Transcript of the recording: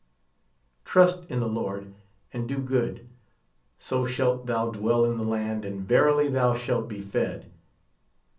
Trust in the Lord, and do good ; so shalt thou dwell in the land, and verily thou shalt be fed.